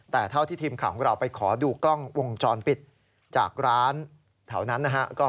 แต่เท่าที่ทีมข่าวของเราไปขอดูกล้องวงจรปิดจากร้านแถวนั้นนะฮะ